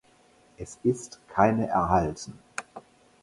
Es ist keine erhalten.